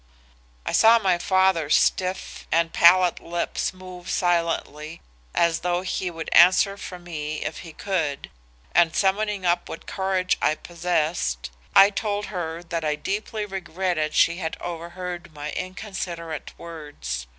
"I saw my father's stiff and pallid lips move silently as though he would answer for me if he could, and summoning up what courage I possessed, I told her that I deeply regretted she had overheard my inconsiderate words.